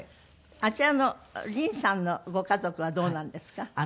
あちらの凛さんのご家族はどうなんですか？